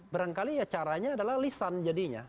barangkali ya caranya adalah lisan jadinya